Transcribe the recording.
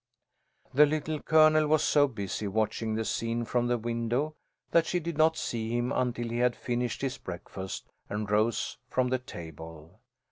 The Little Colonel was so busy watching the scene from the window that she did not see him until he had finished his breakfast and rose from the table.